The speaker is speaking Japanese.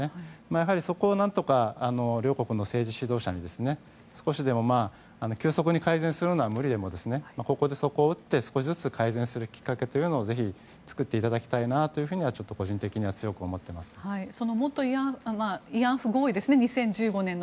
やはり、そこを何とか両国の政治指導者に少しでも急速に改善するのは無理でもここで底を打って、少しずつ改善するきっかけというのをぜひ作っていただきたいなと元慰安婦合意２０１５年の。